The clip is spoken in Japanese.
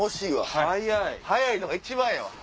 早いのが一番よ。